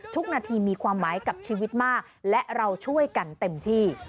ทุกนาทีมีความหมายกับชีวิตมากและเราช่วยกันเต็มที่